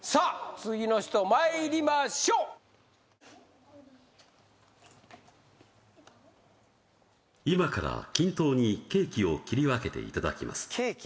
次の人まいりましょう今から均等にケーキを切り分けていただきますケーキ？